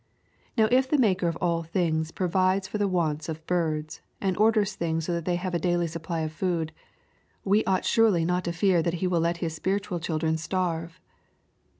Now if the Maker of all things provides for the wants of birds, and orders things so that they have a daily supply of food, we ought surely not to fear that He will let His spiritual children starve.